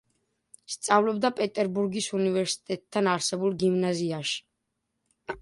სწავლობდა პეტერბურგის უნივერსიტეტთან არსებულ გიმნაზიაში.